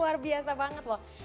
luar biasa banget loh